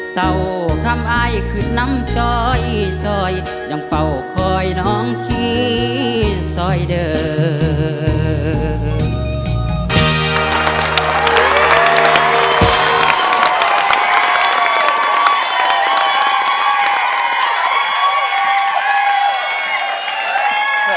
เศร้าคำอายขึดน้ำจอยจอยยังเป่าคอยน้องขีดสอยเดิน